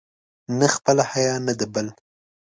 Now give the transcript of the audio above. نه خپله حیا، نه د بل.